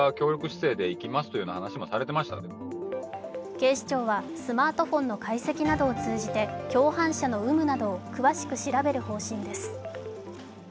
警視庁はスマートフォンの解析などを通じて共犯者の有無などを詳しく調べる方針です。